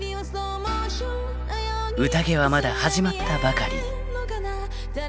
［宴はまだ始まったばかり］